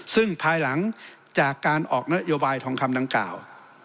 ซึ่งภายหลังจากการออกนโยบายทองคำดังกล่าว